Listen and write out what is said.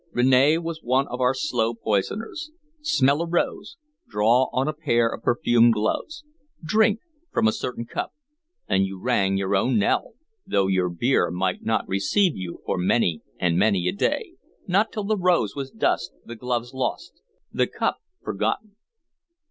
Rene was one of your slow poisoners. Smell a rose, draw on a pair of perfumed gloves, drink from a certain cup, and you rang your own knell, though your bier might not receive you for many and many a day, not till the rose was dust, the gloves lost, the cup forgotten."